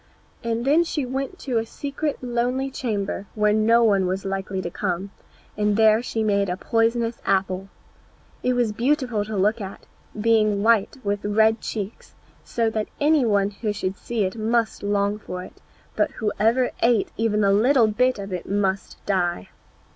And then she went to a secret lonely chamber, where no one was likely to come, and there she made a poisonous apple. It was beautiful to look upon, being white with red cheeks, so that any one who should see it must long for it, but whoever ate even a little bit of it must die.